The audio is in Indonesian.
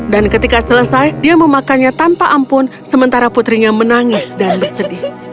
dan ketika selesai dia memakannya tanpa ampun sementara putrinya menangis dan bersedih